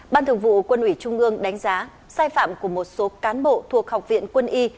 ban thường vụ quân ủy trung ương đánh giá sai phạm của một số cán bộ thuộc học viện quân y